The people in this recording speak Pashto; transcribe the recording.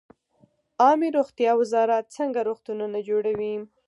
عامې روغتیا وزارت څنګه روغتونونه جوړوي؟